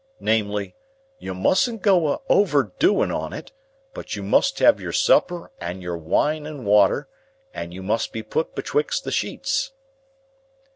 Namely. You mustn't go a overdoing on it, but you must have your supper and your wine and water, and you must be put betwixt the sheets."